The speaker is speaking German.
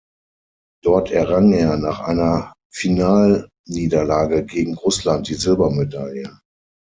Dort errang er nach einer Finalniederlage gegen Russland die Silbermedaille.